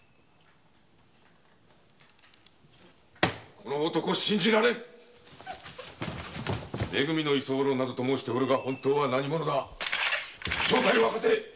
この男信じられん「め組の居候」と申しておるが本当は何者だ⁉正体を明かせ。